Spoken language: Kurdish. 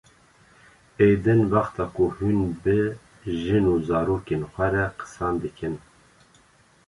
Ê din wexta ku hûn bi jin û zarokên xwe re qisan dikin